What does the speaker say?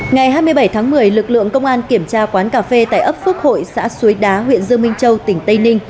ngày hai mươi bảy tháng một mươi lực lượng công an kiểm tra quán cà phê tại ấp phước hội xã suối đá huyện dương minh châu tỉnh tây ninh